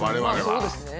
まあそうですね。